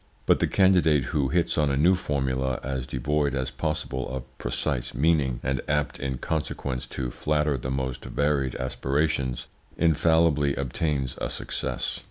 But the candidate who hits on a new formula as devoid as possible of precise meaning, and apt in consequence to flatter the most varied aspirations, infallibly obtains a success.